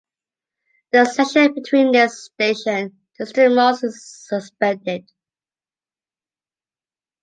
The section between this station and Estremoz is suspended.